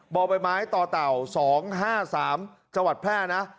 บ่อใบไม้ต่อเต่า๒๕๓จังหวัดแพร่นะ